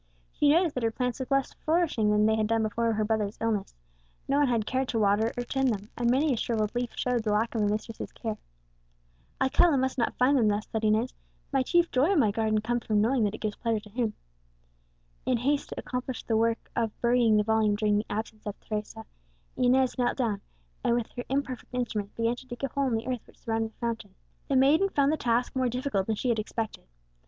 She noticed that her plants looked less flourishing than they had done before her brother's illness; no one had cared to water or tend them, and many a shrivelled leaf showed the lack of a mistress's care. "Alcala must not find them thus," thought Inez; "my chief joy in my garden comes from knowing that it gives pleasure to him." In haste to accomplish the work of burying the volume during the absence of Teresa, Inez knelt down, and with her imperfect instrument began to dig a hole in the earth which surrounded the fountain. The maiden found the task more difficult than she had expected.